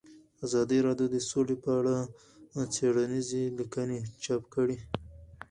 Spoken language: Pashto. ازادي راډیو د سوله په اړه څېړنیزې لیکنې چاپ کړي.